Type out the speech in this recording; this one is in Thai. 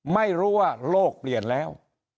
ไม่รู้ว่าโลกเปลี่ยนแล้ว